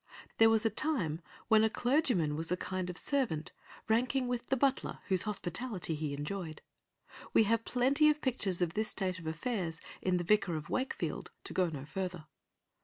There was a time when a clergyman was a kind of servant, ranking with the butler, whose hospitality he enjoyed; we have plenty of pictures of this state of affairs in The Vicar of Wakefield, to go no further.